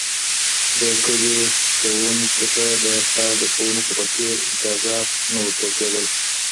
د کلیو ښوونکو ته د ښار د ښوونکو په څېر امتیازات نه ورکول کيدل.